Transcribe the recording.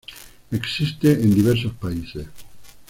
Existe en diversos países.